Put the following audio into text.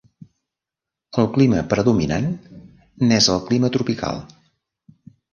El clima predominant n'és el clima tropical.